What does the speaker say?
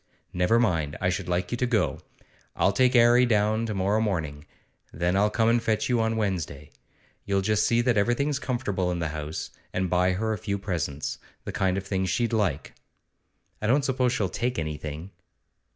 'Never mind; I should like you to go. I'll take 'Arry down to morrow morning, then I'll come and fetch you on Wednesday. You'll just see that everything's comfortable in the house, and buy her a few presents, the kind of things she'd like.' 'I don't suppose she'll take anything.